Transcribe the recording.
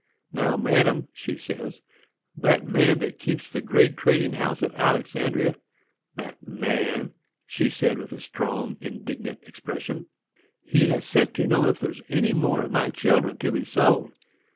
"Now, madam," she says, "that man that keeps the great trading house at Alexandria, that man," she said, with a strong, indignant expression, "has sent to know if there's any more of my children to be sold.